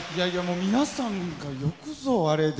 皆さんが、よくぞあれで。